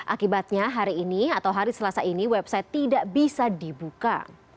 akibatnya hari ini atau hari selasa ini website tidak bisa dibuka